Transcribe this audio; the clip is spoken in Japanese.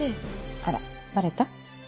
あらバレた？